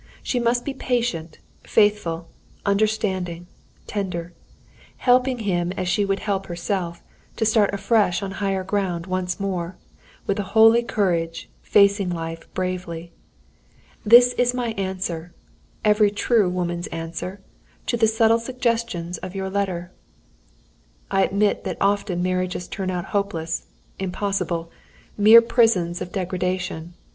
She must be patient, faithful, understanding, tender; helping him, as she would help herself, to start afresh on higher ground; once more, with a holy courage, facing life bravely. "This is my answer every true woman's answer to the subtle suggestions of your letter. "I admit that often marriages turn out hopeless impossible; mere prisons of degradation.